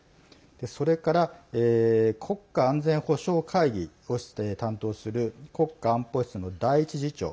それから国家安全保障会議を担当する国家安保室の第１次長